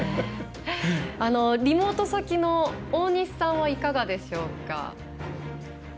リモート先の大西さんはいかがでしょうか。